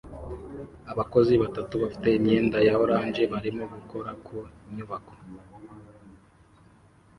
Abakozi batatu bafite imyenda ya orange barimo gukora ku nyubako